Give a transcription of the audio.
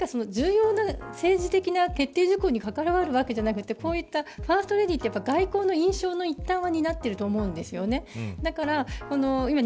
ただ何か重要な政治的な決定事項。に関わるわけではなくこういったファーストレディーは外交の印象の一端を担っていると思うんです